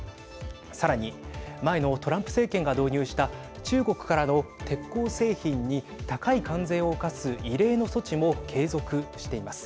さらに前のトランプ政権が導入した中国からの鉄鋼製品に高い関税を課す異例の措置も継続しています。